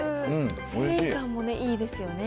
繊維感もね、いいですよね。